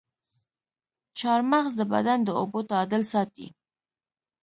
چارمغز د بدن د اوبو تعادل ساتي.